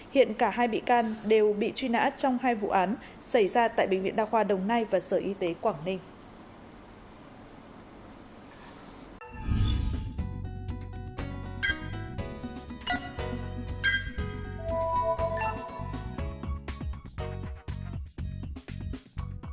hiện cả hai bị can đều bị truy nã trong hai vụ án xảy ra tại bệnh viện đa khoa đồng nai và sở y tế quảng ninh